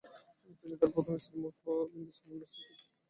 তিনি তার প্রথম স্ত্রী মুসবাহ বিনতে নাসেরকে বিয়ে করেন।